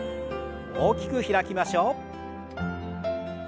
大きく開きましょう。